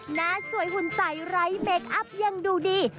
หน้าสวยหุ่นใสไร้เมคอัพยังดูดี